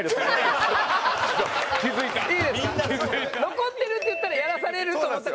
「残ってる」って言ったらやらされると思ったからでしょ？